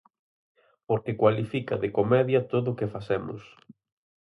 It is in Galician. Porque cualifica de comedia todo o que facemos.